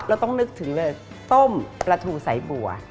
เราต้องนึกถึงเลยต้มปลาทูสายบัว